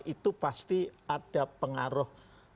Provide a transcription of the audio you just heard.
itu pasti ada pengaruh